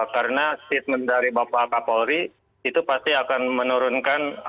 karena statement dari bapak kapolri itu pasti akan menurunkan